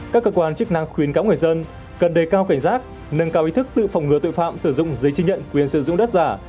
các cơ quan chức năng khuyến cáo người dân cần đề cao cảnh giác nâng cao ý thức tự phòng ngừa tội phạm sử dụng giấy chứng nhận quyền sử dụng đất giả